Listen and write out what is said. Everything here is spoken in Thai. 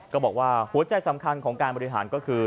ก็บอกว่าหัวใจสำคัญของการบริหารก็คือ